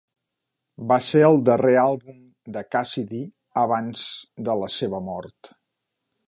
Va ser el darrer àlbum de Cassidy abans de la seva mort.